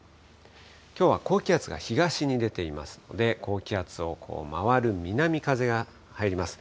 きょうは高気圧が東に出ていますので、高気圧を回る南風が入ります。